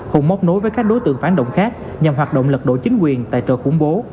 hùng móc nối với các đối tượng phản động khác nhằm hoạt động lật đổ chính quyền tài trợ khủng bố